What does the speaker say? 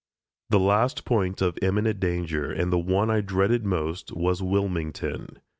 The last point of imminent danger, and the one I dreaded most, was Wilmington.